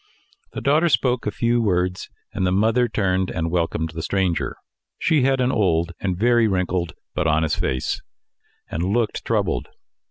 The daughter spoke a few words, and the mother turned and welcomed the stranger. She had an old and very wrinkled, but honest face, and looked troubled.